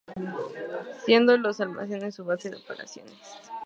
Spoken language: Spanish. Siendo los almacenes su base de operaciones.